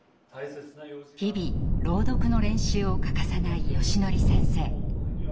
日々朗読の練習を欠かさないよしのり先生。